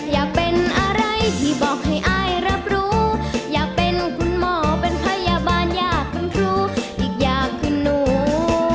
อยากเป็นอะไรที่บอกให้อายรับรู้อยากเป็นคุณหมอเป็นพยาบาลอยากเป็นครูอีกอย่างคือหนู